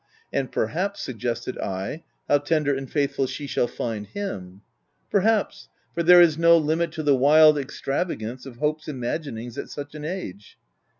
" And perhaps," suggested I, " how tender and faithful she shall find him." " Perhaps — for there is no limit to the wild extravagance of hope's imaginings, at such an age."